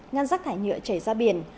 ngăn rác thải nhựa chảy ra biển